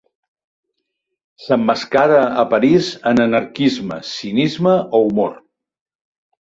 S'emmascara a París, en anarquisme, cinisme o humor.